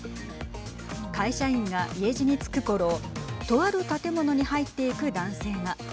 会社員が家路につくころとある建物に入っていく男性が。